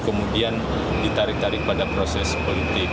kemudian ditarik tarik pada proses politik